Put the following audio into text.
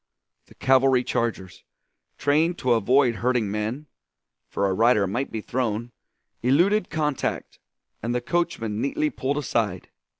The cavalry chargers, trained to avoid hurting men for a rider might be thrown eluded contact, and the coachman neatly pulled aside.